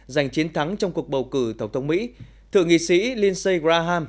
giành chiến thắng trong cuộc bầu cử tổng thống mỹ thượng nghị sĩ linse graham